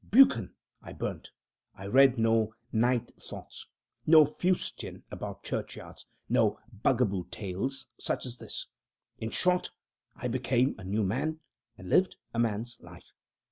"Buchan" I burned. I read no "Night Thoughts" no fustian about churchyards no bugaboo tales such as this. In short, I became a new man, and lived a man's life.